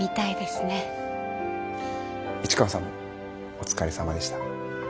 市川さんもお疲れさまでした。